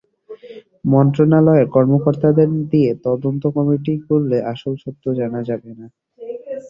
মন্ত্রণালয়ের কর্মকর্তাদের দিয়ে তদন্ত কমিটি করলে আসল সত্য জানা যাবে না।